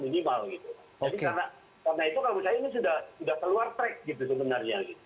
karena itu kalau saya ini sudah keluar track gitu sebenarnya